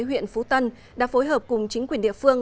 huyện phú tân đã phối hợp cùng chính quyền địa phương